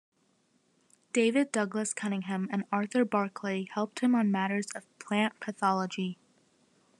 David Douglas Cunningham and Arthur Barclay helped him on matters of plant pathology.